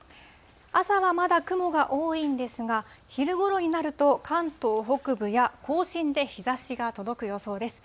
朝はまだ雲が多いんですが、昼ごろになると、関東北部や甲信で日ざしが届く予想です。